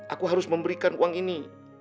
aku harus memberikan uang ini